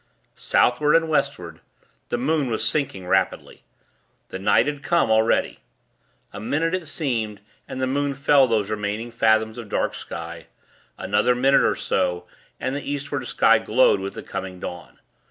Southward and Westward, the moon was sinking rapidly. The night had come, already. A minute it seemed, and the moon fell those remaining fathoms of dark sky. Another minute, or so, and the Eastward sky glowed with the coming dawn.